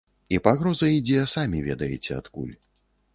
І пагроза ідзе самі ведаеце адкуль.